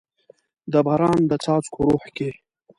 د باران د څاڅکو روح کې